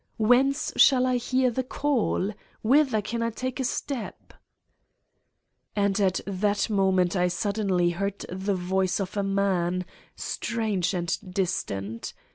Whence shall I hear The Call? Whither can I take a step? And at that moment I suddenly heard the voice of a man, strange and distant.